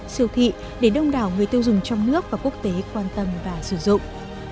siêu thị để đông đảo người tiêu dùng trong nước và quốc tế quan tâm và sử dụng